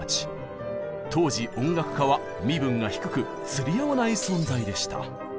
当時音楽家は身分が低く釣り合わない存在でした。